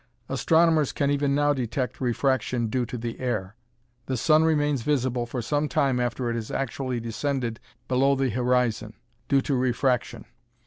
Astronomers can even now detect refraction due to the air. The sun remains visible for some time after it has actually descended below the horizon, due to refraction.